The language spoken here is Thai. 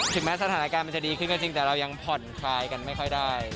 แม้สถานการณ์มันจะดีขึ้นก็จริงแต่เรายังผ่อนคลายกันไม่ค่อยได้